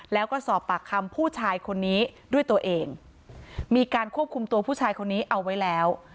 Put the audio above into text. แล้วก็สอบปากคำผู้ชายคนนี้ด้วยตัวเองมีการควบคุมตัวผู้ชายคนนี้เอาไว้แล้ว